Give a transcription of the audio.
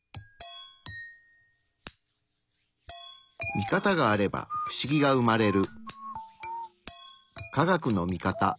見方があれば不思議が生まれる。